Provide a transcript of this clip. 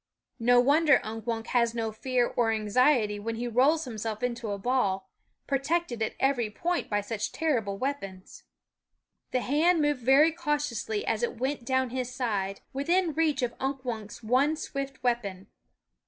No wonder Unk Wunk has no fear or anxiety when he rolls himself into a ball, protected at every point by such terrible weapons. The hand moved very cautiously as it went down his side, within reach of Unk Wunk's one swift weapon.